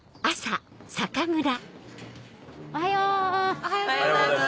おはようございます！